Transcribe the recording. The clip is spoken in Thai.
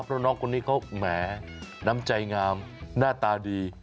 เพราะน้องคนนี้เขาแหมน้ำใจงามหน้าตาดี